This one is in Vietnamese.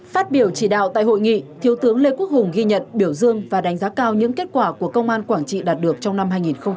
phát biểu chỉ đạo tại hội nghị thiếu tướng lê quốc hùng ghi nhận biểu dương và đánh giá cao những kết quả của công an quảng trị đạt được trong năm hai nghìn hai mươi ba